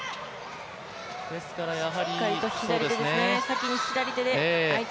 しっかりと左手ですね。